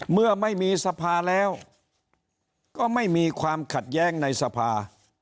เมื่อไม่มีสภาแล้วก็ไม่มีความขัดแย้งในสภา